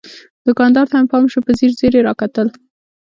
دوکاندار ته مې پام شو، په ځیر ځیر یې را کتل.